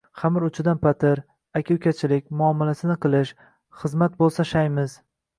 «xamir uchidan patir», «aka-ukachilik», «muomalasini qilish», «xizmat bo‘lsa, shaymiz»